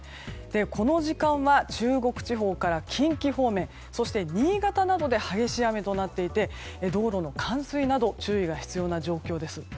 この時間は中国地方から近畿方面そして、新潟などで激しい雨となっていて道路の冠水など注意が必要な状況です。